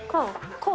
こう？